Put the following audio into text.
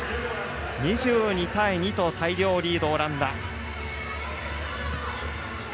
２２対２と大量リードオランダ。